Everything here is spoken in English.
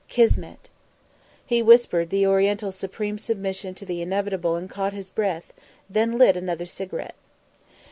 "Kismet!" He whispered the Oriental's supreme submission to the inevitable and caught his breath, then lit another cigarette.